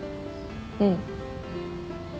うん。